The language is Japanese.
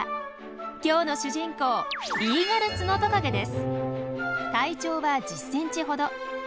今日の主人公体長は１０ｃｍほど。